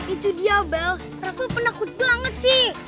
itu dia bel aku penakut banget sih